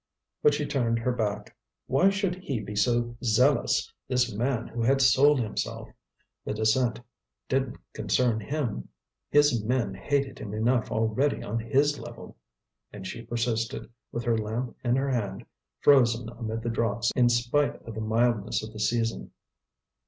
But she turned her back. Why should he be so zealous, this man who had sold himself? The descent didn't concern him. His men hated him enough already on his level. And she persisted, with her lamp in her hand, frozen amid the draughts in spite of the mildness of the season.